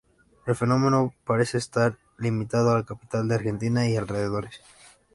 El fenómeno parece estar limitado a la capital de Argentina y alrededores.